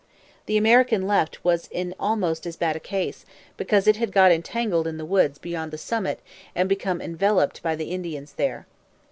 The American left was in almost as bad a case, because it had got entangled in the woods beyond the summit and become enveloped by the Indians there.